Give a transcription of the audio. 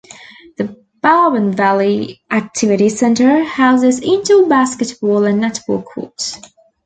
The Barwon Valley Activity Centre houses indoor basketball and netball courts.